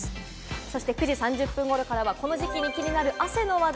そして９時３０分頃からは、この時期に気になる汗の話題。